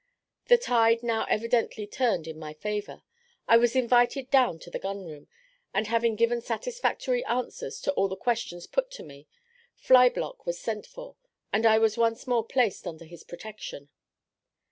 The tide now evidently turned in my favour. I was invited down to the gun room, and having given satisfactory answers to all the questions put to me, Flyblock was sent for, and I was once more placed under his protection.